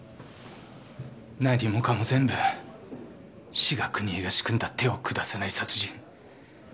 何もかも全部志賀邦枝が仕組んだ手を下さない殺人。